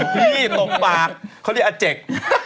พี่ตกปากเขาเรียกอาเจก